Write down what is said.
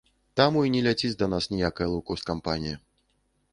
Таму і не ляціць да нас ніякая лоўкост-кампанія.